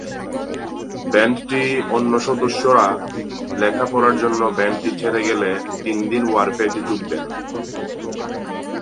ব্যান্ডটি অন্য সদস্যরা লেখাপড়ার জন্য ব্যান্ডটি ছেড়ে গেলে তিন ওয়ারফেইজ-এ যোগ দেন।